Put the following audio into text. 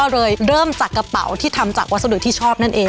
เลยเริ่มจากกระเป๋าที่ทำจากวัสดุที่ชอบนั่นเอง